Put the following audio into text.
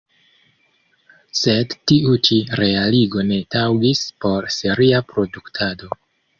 Sed tiu ĉi realigo ne taŭgis por seria produktado.